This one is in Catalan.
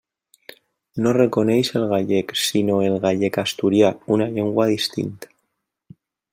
No reconeix el gallec, sinó el «gallec-asturià», una llengua distinta.